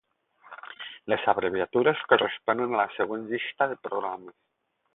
Les abreviatures corresponen a la següent llista de programes.